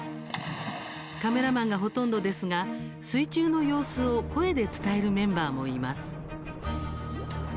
カメラマンがほとんどですが水中の様子を声で伝えるメンバーもいます。